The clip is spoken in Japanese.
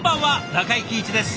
中井貴一です。